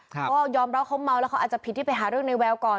ก็ยอมรับเขาเมาแล้วเขาอาจจะผิดที่ไปหาเรื่องในแววก่อน